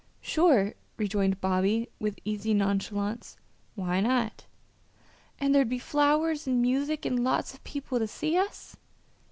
"Sure!" rejoined Bobby with easy nonchalance. "Why not?" "And there'd be flowers and music and lots of people to see us?"